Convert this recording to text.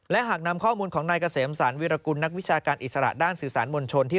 และหากนำข้อมูลของนายเกษมสารวิรกุลนักวิชาการอิสระด้านสื่อสารมวลชนที่